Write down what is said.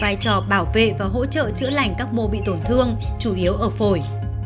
vitamin d có vai trò bảo vệ và hỗ trợ chữa lành các mô bị tổn thương chủ yếu ở phổi